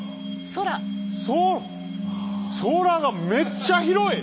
そ空がめっちゃ広い！